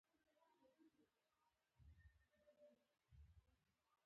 پر مهمو او عاجلو موضوعاتو به خبرې درسره وکړي.